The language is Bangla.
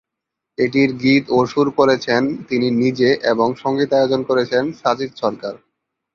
এটির গীত ও সুর করেছেন তিনি নিজে এবং সংগীতায়োজন করেছেন সাজিদ সরকার।